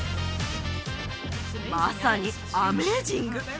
まさにアメージング！